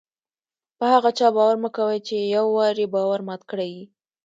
په هغه چا باور مه کوئ! چي یو وار ئې باور مات کړى يي.